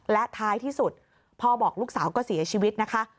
และท้ายที่สุดพ่อบอกลูกสาวก็เสียชีวิตนะคะ